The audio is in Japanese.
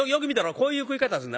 こういう食い方すんだ。